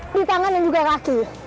di tangan dan juga kaki